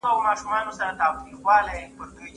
آس خاورې له ځانه څنډلې او پورته کېده.